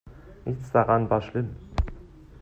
Nichts daran war schlimm.